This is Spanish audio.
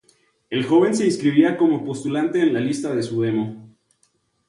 El joven se inscribía como postulante en la lista de su demo.